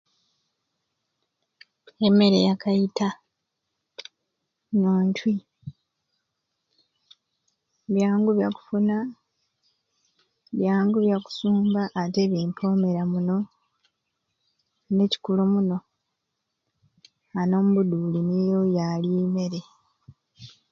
Emmere ya kaita n'oncwi byangu byakufuna byangu byakusumba ate bimpoomera muno n'ekikulu omuno ani omu buduuli niyo yaali emmere.